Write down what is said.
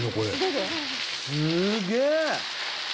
すげえ！